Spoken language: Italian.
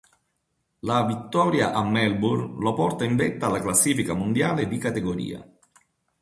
La vittoria a Melbourne lo porta in vetta alla classifica mondiale di categoria.